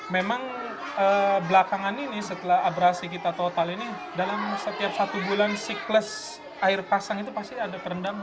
memang belakangan ini setelah abrasi kita total ini dalam setiap satu bulan siklus air pasang itu pasti ada terendam